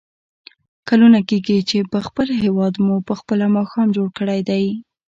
کلونه کېږي چې په خپل هېواد مو په خپله ماښام جوړ کړی دی.